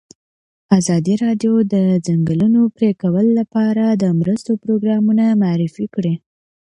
ازادي راډیو د د ځنګلونو پرېکول لپاره د مرستو پروګرامونه معرفي کړي.